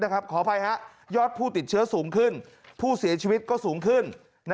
ขออภัยยอดผู้ติดเชื้อสูงขึ้นผู้เสียชีวิตก็สูงขึ้น